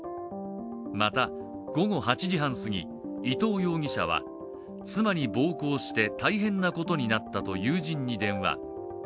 また、午後８時半すぎ、伊藤容疑者は妻に暴行して大変なことになったと友人に電話。